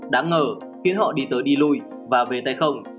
đáng ngờ khiến họ đi tới đi lui và về tay không